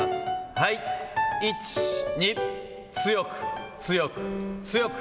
はい、１、２、強く、強く、強く。